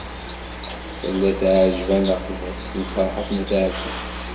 Tella teɛjeb-aneɣ tebɣest n Ferḥat n At Ɛebbas.